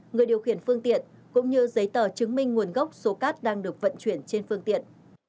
người điều khiển phương tiện cũng như giấy tờ chứng minh nguồn gốc số cát đang được vận chuyển trên phương tiện